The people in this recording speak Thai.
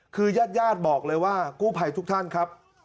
คือยาดบอกเลยว่ากู้ไผ่ทุกท่านครับ